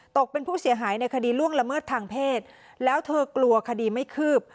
เป็นผู้เสียหายในคดีล่วงละเมิดทางเพศแล้วเธอกลัวคดีไม่คืบ